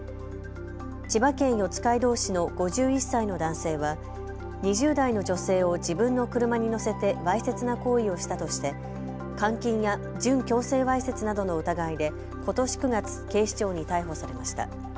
千葉県四街道市の５１歳の男性は２０代の女性を自分の車に乗せてわいせつな行為をしたとして監禁や準強制わいせつなどの疑いでことし９月、警視庁に逮捕されました。